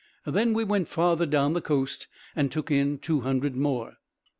Then we went farther down the coast, and took in two hundred more.